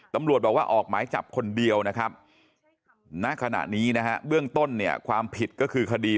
ตำรวจบอกว่าออกหมายจับคนเดียวนะครับณขณะนี้นะฮะเบื้องต้นเนี่ยความผิดก็คือคดี